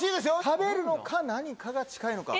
食べるのか何かが近いのか。